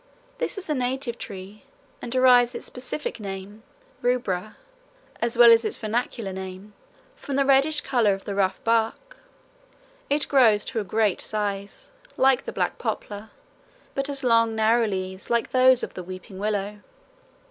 This is a native tree, and derives its specific name rubra, as well as its vernacular name, from the reddish colour of the rough bark. It grows to a great size, like the black poplar, but has long narrow leaves like those of the weeping willow.